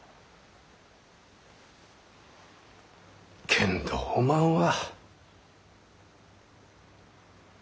けんどおまんは。